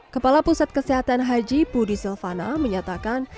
kepala pusat kesehatan haji budi silvana menyatakan